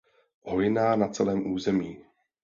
Hojná na celém území.